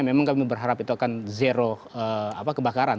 memang kami berharap itu akan zero kebakaran